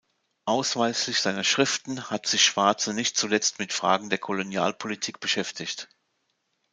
Ausweislich seiner Schriften hat sich Schwarze nicht zuletzt mit Fragen der Kolonialpolitik beschäftigt.